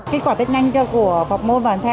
kết quả tết nhanh của phọc môn và hàng the